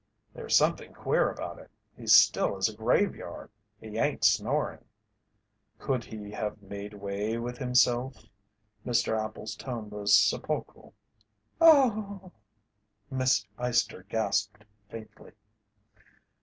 "There's something queer about it. It's still as a graveyard. He ain't snoring." "Could he have made way with himself?" Mr. Appel's tone was sepulchral. "Oh h h!" Miss Eyester gasped faintly.